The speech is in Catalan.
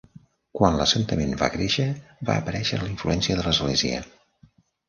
Quan l'assentament va créixer va aparèixer la influència de l'església.